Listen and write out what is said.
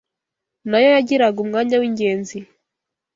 na yo yagiraga umwanya w’ingenzi.